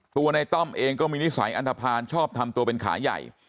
ตัวในต้อมเองก็มีนิสัยอันทภาณชอบทำตัวเป็นขาใหญ่